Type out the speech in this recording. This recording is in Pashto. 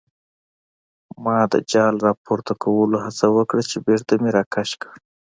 ما د جال راپورته کولو هڅه وکړه چې بېرته مې راکش کړ.